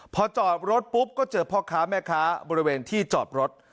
พอจอดรถปุ๊บก็เจอพ่อค้าแม่ค้าบริเวณที่จอดรถ